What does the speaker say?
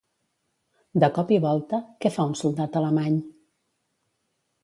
De cop i volta, què fa un soldat alemany?